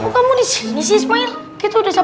nah kalian cadence indigenous